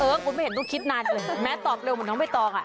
เออผมไม่เห็นตัวคิดนานเลยแม้ตอบเร็วเหมือนน้องเว้ยตองค่ะ